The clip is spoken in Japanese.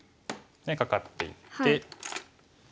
でカカっていって。